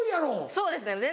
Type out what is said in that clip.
そうですね全然。